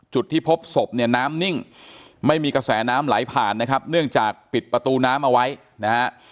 จุดที่พบศพเนี่ยน้ำนิ่งไม่มีกระแสน้ำไหลผ่านนะครับเนื่องจากปิดประตูน้ำเอาไว้นะฮะ